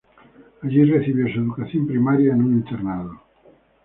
Allí recibió su educación primaria en un internado.